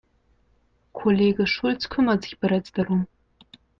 Kollege Schulz kümmert sich bereits darum.